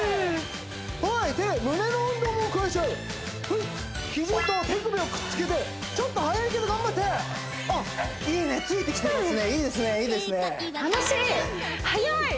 はい手胸の運動も加えちゃうひじと手首をくっつけてちょっと速いけど頑張ってあっいいねついてきてますねいいですねいいですね楽しい！